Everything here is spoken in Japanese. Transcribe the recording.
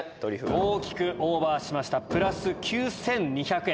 大きくオーバーしましたプラス９２００円。